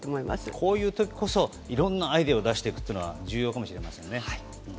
こういう時こそいろんなアイデアを出していくのは重要かもしれませんね。